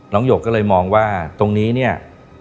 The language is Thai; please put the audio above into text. หยกก็เลยมองว่าตรงนี้เนี่ย